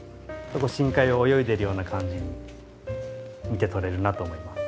深海を泳いでるような感じに見て取れるなと思います。